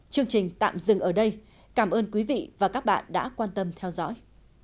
chương trình tạm dừng ở đây cảm ơn quý vị và các bạn đã quan tâm theo dõi